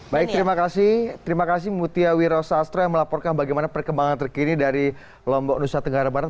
baik terima kasih terima kasih mutia wiro sastro yang melaporkan bagaimana perkembangan terkini dari lombok nusa tenggara barat